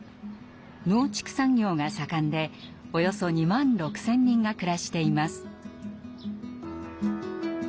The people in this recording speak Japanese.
農畜産業が盛んでおよそ２万６，０００人が暮らしています。